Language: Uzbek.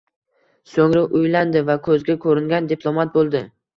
So`ngra uylandi va ko`zga ko`ringan diplomat bo`ldi